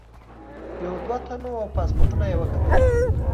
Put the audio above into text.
یو دوه تنو پاسپورټونه یې وکتل.